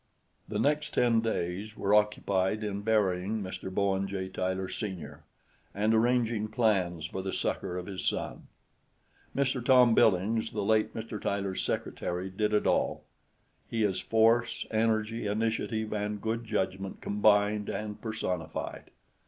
The next ten days were occupied in burying Mr. Bowen J. Tyler, Sr., and arranging plans for the succor of his son. Mr. Tom Billings, the late Mr. Tyler's secretary, did it all. He is force, energy, initiative and good judgment combined and personified.